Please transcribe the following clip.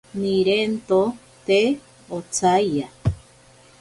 Nirento te otsaiya.